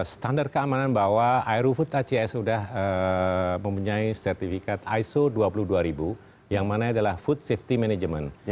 standar keamanan bahwa aerofood acs sudah mempunyai sertifikat iso dua puluh dua ribu yang mana adalah food safety management